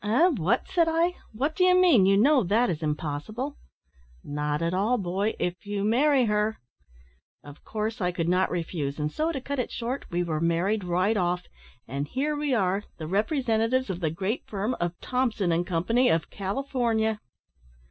"`Eh! what!' said I, `what do you mean? You know that is impossible.' "`Not at all, boy, if you marry her!' "Of course I could not refuse, and so, to cut it short, we were married right off and here we are, the representatives of the great firm of Thompson and Company, of California."